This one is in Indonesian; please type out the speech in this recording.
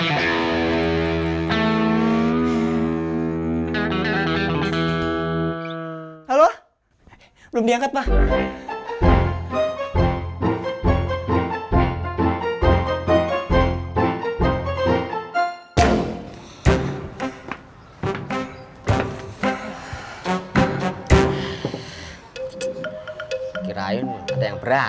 akang nggak takut nuni dilabrak